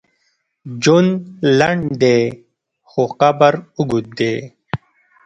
ژوند لنډ دی، خو قبر اوږد دی.